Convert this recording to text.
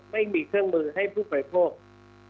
ไม่มีเครื่องมือให้ผู้ประโยจน์